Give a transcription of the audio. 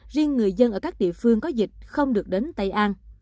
riêng người dân ở các địa phương có dịch không được đến tây an